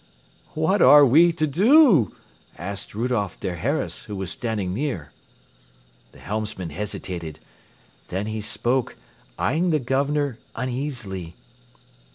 "What are we to do?" asked Rudolph der Harras, who was standing near. The helmsman hesitated. Then he spoke, eyeing the Governor uneasily.